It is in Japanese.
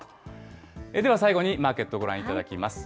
では最後にマーケットご覧いただきます。